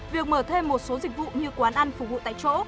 việc mở thêm một số dịch vụ như quán ăn phục vụ tại chỗ